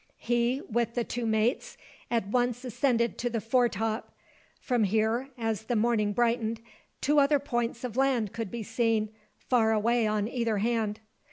He, with the two mates, at once ascended to the fore top. From here, as the morning brightened, two other points of land could be seen, far away on either hand.